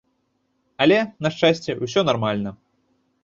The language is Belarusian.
Але, на шчасце, усё нармальна.